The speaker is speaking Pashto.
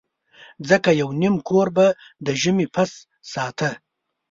ځکه یو نیم کور به د ژمي پس ساته.